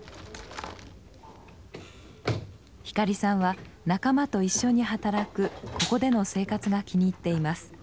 光さんは仲間と一緒に働くここでの生活が気に入っています。